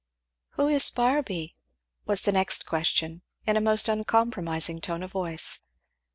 "Who is Barby?" was the next question, in a most uncompromising tone of voice.